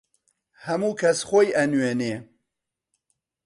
هەموو کەس خۆی ئەنوێنێ